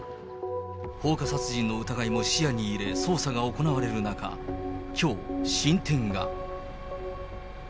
放火殺人の疑いも視野に入れ、捜査が行われる中、きょう、進展が。